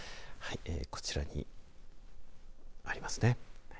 こちらにありますね。